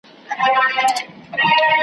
یو پل په لار کي پروت یمه پرېږدې یې او که نه .